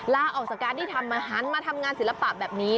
ลาออกจากการที่ทำอาหารมาทำงานศิลปะแบบนี้